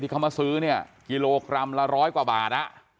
เขามาซื้อเนี่ยกิโลกรัมละร้อยกว่าบาท